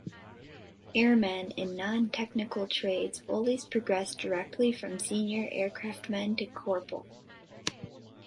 Airmen in non-technical trades always progressed directly from senior aircraftman to corporal.